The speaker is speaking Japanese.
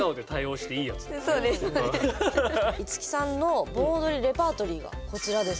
樹さんの盆踊りレパートリーがこちらです。